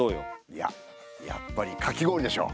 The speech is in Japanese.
いややっぱりかき氷でしょ。